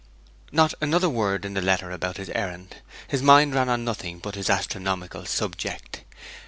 Not another word in the letter about his errand; his mind ran on nothing but this astronomical subject.